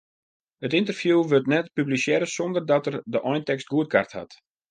It ynterview wurdt net publisearre sonder dat er de eintekst goedkard hat.